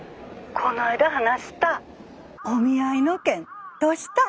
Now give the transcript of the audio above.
この間話したお見合いの件どした？